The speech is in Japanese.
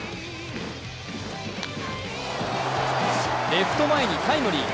レフト前にタイムリー。